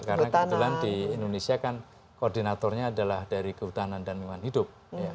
karena kebetulan di indonesia kan koordinatornya adalah dari kehutanan dan lingkungan hidup